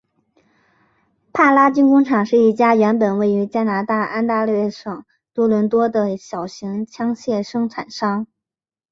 帕拉军工厂是一家原本位于加拿大安大略省多伦多的小型枪械生产商。